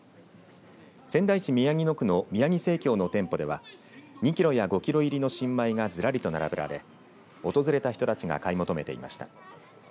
仙台市宮城野区のみやぎ生協の店舗では２キロや５キロ入りの新米がずらりと並べられ訪れた人たちが買い求めていました。